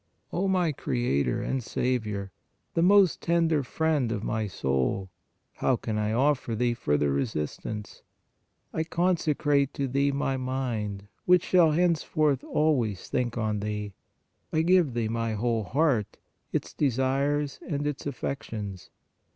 " O my Creator and Saviour, the most tender friend of my soul, how can I offer Thee further resist ance? I consecrate to Thee my mind, which shall henceforth always think on Thee; I give Thee my whole heart, its desires and its affections.